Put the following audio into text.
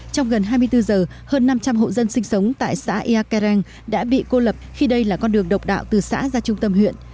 trong gần hai mươi bốn giờ hơn năm trăm linh hộ dân sinh sống tại xã ia kareng đã bị cô lập khi đây là con đường độc đạo từ xã ra trung tâm huyện